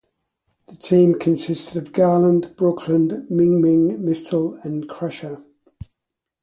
The team consists of Garland, Brooklyn, Ming-Ming, Mystel and Crusher.